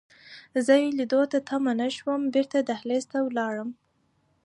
زه یې لیدو ته تم نه شوم، بیرته دهلېز ته ولاړم.